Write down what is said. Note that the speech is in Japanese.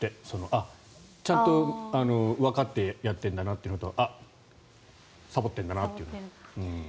あっ、ちゃんとわかってやってるんだなというのとあっサボってるんだなっていうの。